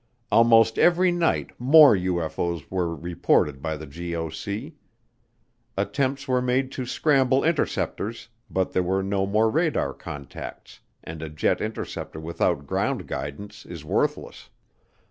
Almost every night more UFO's were reported by the GOC. Attempts were made to scramble interceptors but there were no more radar contacts and a jet interceptor without ground guidance is worthless.